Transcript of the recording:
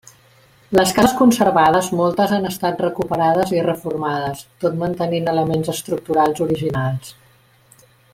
Les cases conservades moltes han estat recuperades i reformades, tot mantenint elements estructurals originals.